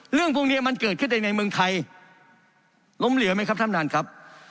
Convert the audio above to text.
เรื่องกรุงเนียมันเกิดขึ้นในเมืองไทยล้มเหลือไหมครับทำรันครับ